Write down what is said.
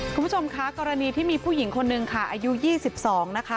คุณผู้ชมคะกรณีที่มีผู้หญิงคนนึงค่ะอายุ๒๒นะคะ